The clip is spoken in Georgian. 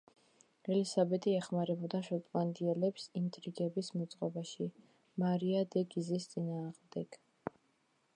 ელისაბედი ეხმარებოდა შოტლანდიელებს ინტრიგების მოწყობაში მარია დე გიზის წინააღმდეგ.